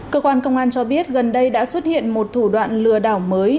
cơ quan công an cho biết gần đây đã xuất hiện một thủ đoạn lừa đảo mới